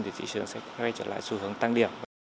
thì thị trường sẽ quay trở lại xu hướng tăng điểm